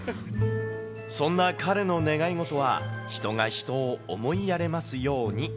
そんな彼の願い事は、人が人を思いやれますように。